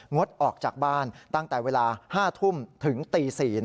งดออกจากบ้านตั้งแต่เวลา๕ทุ่มถึงตี๔